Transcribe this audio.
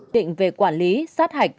định về quản lý sát hạch